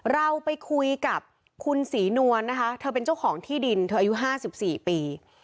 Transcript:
เราไปคุยกับคุณศรีนวลนะคะเธอเป็นเจ้าของที่ดินเธออายุ๕๔ปี